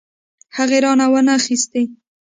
هغې رانه وانه خيستې.